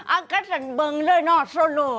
อ้าวกระเซ็นเบิงเลยนะโซโล